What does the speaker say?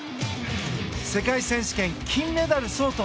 世界選手権金メダル相当。